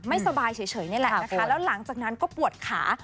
ไม่สบายเฉยนี่แหละนะคะแล้วหลังจากนั้นก็ปวดขา